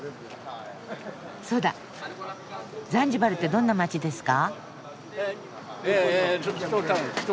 そうだザンジバルってどんな街ですか？